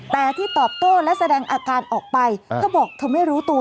แต่ที่ตอบโต้และแสดงอาการออกไปเธอบอกเธอไม่รู้ตัว